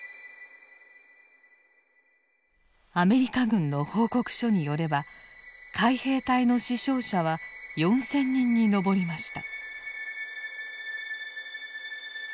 アメリカ軍の報告書によれば海兵隊の死傷者は４，０００人に上りました。